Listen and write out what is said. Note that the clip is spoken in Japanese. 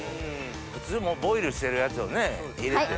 普通もうボイルしてるやつをね入れて。